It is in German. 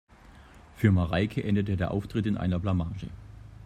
Für Mareike endete der Auftritt in einer Blamage.